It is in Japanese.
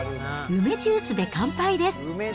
梅ジュースで乾杯です。